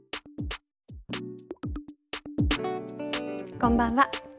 こんばんは。